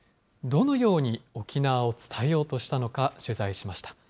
どのように沖縄を伝えようとしたのか取材しました。